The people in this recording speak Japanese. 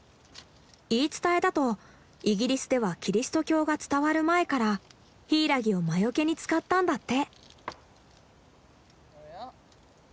言い伝えだとイギリスではキリスト教が伝わる前からヒイラギを魔よけに使ったんだって。